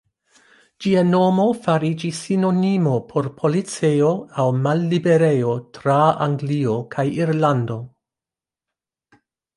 Ĝia nomo fariĝis sinonimo por policejo aŭ malliberejo tra Anglio kaj Irlando.